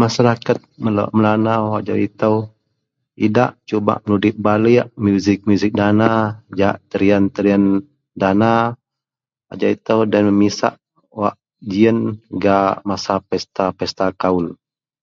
Masyarat melanau ajau ito cuba bak menudip balik ball, tarian a dana nang ajau ito nisek masa pesta kaul.